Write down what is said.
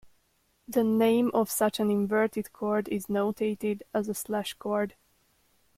The name of such an inverted chord is notated as a slash chord.